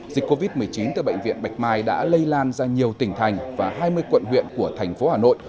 dịch covid một mươi chín từ bệnh viện bạch mai đã lây lan ra nhiều tỉnh thành và hai mươi quận huyện của thành phố hà nội